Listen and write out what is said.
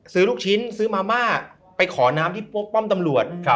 ลูกชิ้นซื้อมาม่าไปขอน้ำที่พวกป้อมตำรวจ